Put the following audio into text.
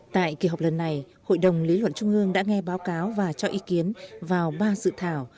tại kỳ họp lần này hội đồng lý luận trung ương đã nghe báo cáo và cho ý kiến vào ba dự thảo